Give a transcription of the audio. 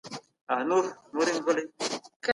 لیکوال د ارزښت ټکی روښانه کوي.